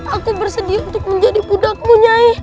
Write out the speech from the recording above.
aku bersedia untuk menjadi budakmu nyai